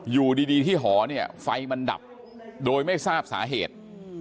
อยู่ดีที่หอเนี่ยไฟมันดับโดยไม่ทราบสาเหตุ